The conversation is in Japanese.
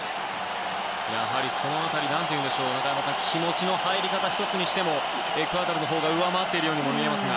その辺り気持ちの入り方１つにしてもエクアドルのほうが上回っているように見えますが。